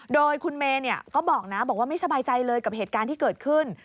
โดยคุณเมย์ก็บอกนะบอกว่าไม่สบายใจเลยกับเหตุการณ์ที่เกิดขึ้น